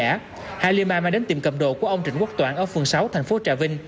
sau đó halima mang đến tiệm cầm đồ của ông trịnh quốc toản ở phường sáu thành phố trà vinh